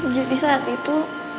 jadi saat itu